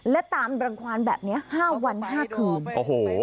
และตามรังความแบบเนี้ยห้าวันห้าคืนโอ้โห